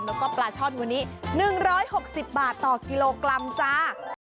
แล้วก็ปลาช่อนวันนี้๑๖๐บาทต่อกิโลกรัมจ้า